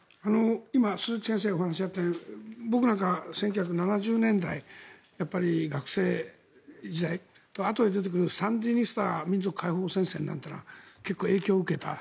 今、鈴木先生のお話があったように僕なんか１９７０年代学生時代と、あとにでてくるサンディニスタ民族解放戦線なんてのは結構、影響を受けた。